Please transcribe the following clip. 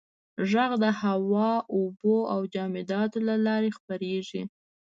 • ږغ د هوا، اوبو او جامداتو له لارې خپرېږي.